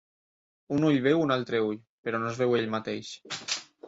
Un ull veu un altre ull, però no es veu ell mateix.